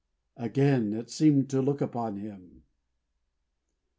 Again it seemed to look upon him.